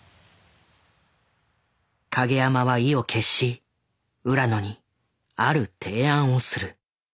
影山は意を決し浦野にある提案をする。